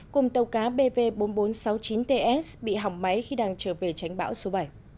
cùng tàu cá bv bốn nghìn bốn trăm sáu mươi chín ts bị hỏng máy khi đang trở về tránh bão số bảy